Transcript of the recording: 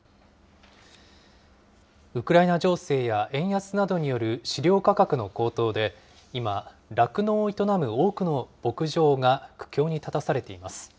ウクライナ情勢や円安などによる飼料価格の高騰で、今、酪農を営む多くの牧場が苦境に立たされています。